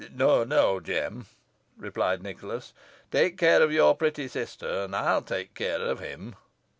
"No, no, Jem," replied Nicholas. "Take care of your pretty sister, and I'll take care of him."